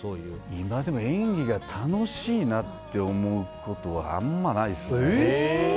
今でも演技が楽しいなと思うことはあんまりないですね。